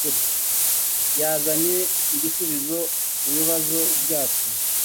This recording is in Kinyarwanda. Yazanye igisubizo kubibazo byacu.